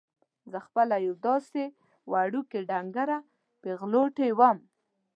زه خپله یوه داسې وړوکې ډنګره پېغلوټې وم.